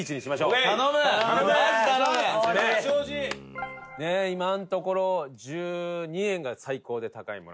トシ：今のところ１２円が最高で高いもの。